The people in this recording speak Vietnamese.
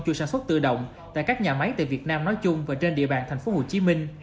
cho sản xuất tự động tại các nhà máy tại việt nam nói chung và trên địa bàn tp hcm